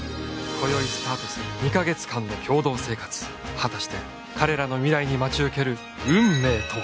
今宵スタートする２カ月間の共同生活果たして彼らの未来に待ち受ける運命とは？